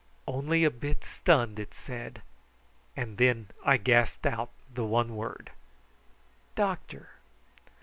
"Only a bit stunned," it said; and then I gasped out the one word: "Doctor!"